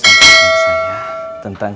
sampaikan ke saya tentang